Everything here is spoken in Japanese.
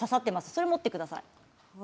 それを持ってください。